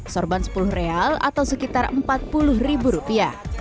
sorban sepuluh real atau sekitar empat puluh ribu rupiah